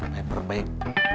dan diaper baik